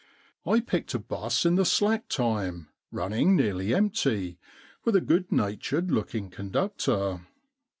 I picked a bus in the slack time, running nearly empty, with a good natured looking conductor.